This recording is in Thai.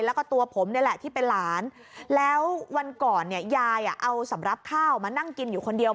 แล้วก็ตัวผมนี่แหละที่เป็นหลานแล้ววันก่อนเนี่ยยายเอาสำหรับข้าวมานั่งกินอยู่คนเดียว